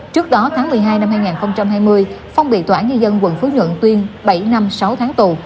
trước đó tháng một mươi hai năm hai nghìn hai mươi phong bị tỏa như dân quận phú nhuận tuyên bảy năm sáu tháng tù